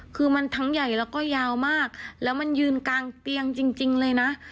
คือมันทั้งใหญ่แล้วก็ยาวมากแล้วมันยืนกลางเตียงจริงเลยนะ